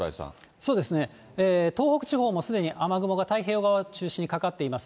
そうですね、東北地方もすでに雨雲が太平洋側を中心にかかっています。